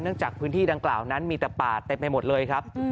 จากพื้นที่ดังกล่าวนั้นมีแต่ป่าเต็มไปหมดเลยครับ